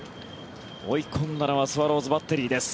追い込んだのはスワローズバッテリーです。